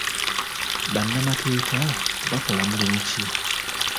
Bannamateeka bakola mulimu ki?